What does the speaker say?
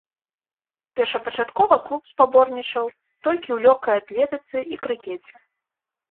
Першапачаткова клуб спаборнічаў толькі ў лёгкай атлетыцы і крыкеце.